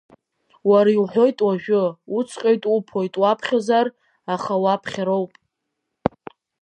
Уара иуҳәоит уажәы, уҵҟьоит-уԥоит уаԥхьозар, аха уаԥхьароуп!